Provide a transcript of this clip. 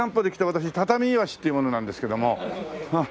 私たたみいわしっていう者なんですけども。